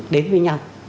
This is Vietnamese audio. đến với nhau